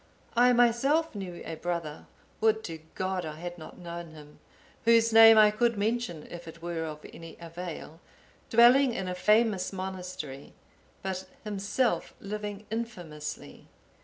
I myself knew a brother, would to God I had not known him, whose name I could mention if it were of any avail, dwelling in a famous monastery, but himself living infamously.